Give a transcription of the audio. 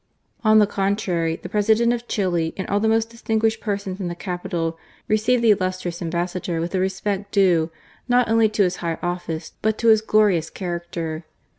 On the contrary, the President of Chili and all the most distinguished persons in the capital, received the illustrious Ambassador with the respect due, not only to his high ofBce, but to his glorious character.